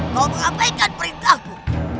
kau mengapaikan perintahku